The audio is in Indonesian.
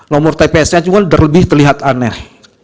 nomor tps nya juga terlihat aneh